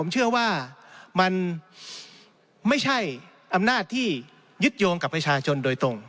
ผมเชื่อว่ามันไม่ใช่อำนาจที่ยึดโยงกับประชาชนโดยตรง